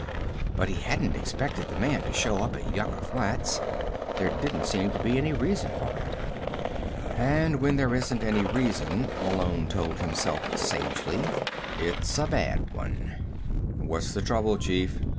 But he hadn't expected the man to show up at Yucca Flats. There didn't seem to be any reason for it. And when there isn't any reason, Malone told himself sagely, it's a bad one. "What's the trouble, chief?"